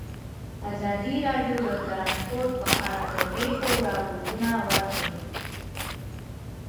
ازادي راډیو د ترانسپورټ په اړه د پېښو رپوټونه ورکړي.